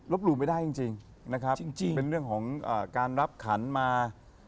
หลู่ไม่ได้จริงนะครับเป็นเรื่องของการรับขันมา